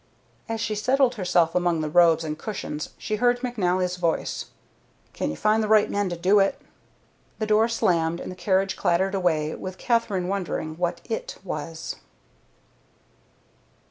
As she settled herself among the robes and cushions she heard McNally's voice: "Can you find the right men to do it?" The door slammed and the carriage clattered away with Katherine wondering what "it" was.